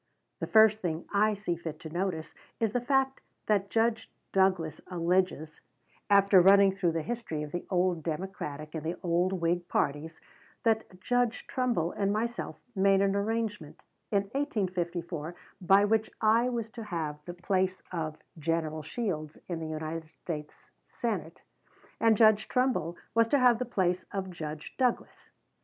The first thing I see fit to notice is the fact that Judge Douglas alleges, after running through the history of the old Democratic and the old Whig parties, that Judge Trumbull and myself made an arrangement in 1854 by which I was to have the place of General Shields in the United States Senate, and Judge Trumbull was to have the place of Judge Douglas.